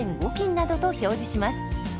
斤などと表示します。